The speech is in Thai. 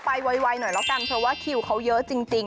ไวหน่อยแล้วกันเพราะว่าคิวเขาเยอะจริง